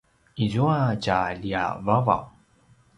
izua tja ljiavavaw